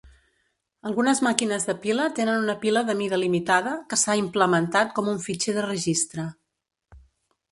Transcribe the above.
Algunes màquines de pila tenen una pila de mida limitada que s'ha implementat com un fitxer de registre.